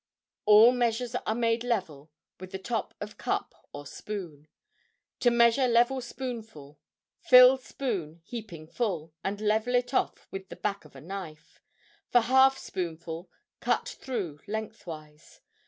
All measures are made level with the top of cup or spoon. To measure level spoonful: Fill spoon heaping full, and level it off with the back of a knife. For half spoonful, cut through lengthwise.